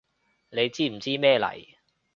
你知唔知咩嚟？